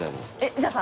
じゃあさ